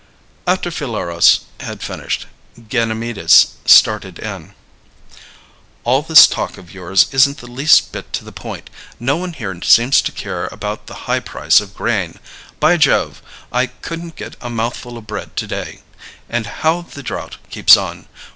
After Phileros had finished, Ganymedes started in: "All this talk of yours isn't the least bit to the point. No one here seems to care about the high price of grain. By Jove, I couldn't get a mouthful of bread to day! And how the drought keeps on!